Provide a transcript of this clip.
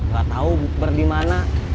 gak tahu bukber di mana